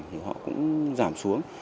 thì họ cũng giảm xuống